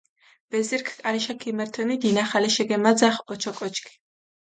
ვეზირქ კარიშა ქიმერთჷნი, დინახალეშე გჷმაძახჷ ოჩოკოჩქ.